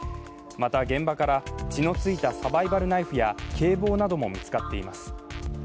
また現場から血のついたサバイバルナイフや警棒なども見つかっています。